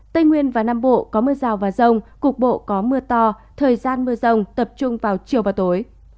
tây nguyên và nam bộ có mưa rào và rông cục bộ có mưa to thời gian mưa rông tập trung vào chiều và tối